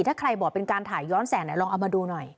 ถ้าใครบอกเป็นการถ่ายย้อนแสนลองเอามาดูหน่อย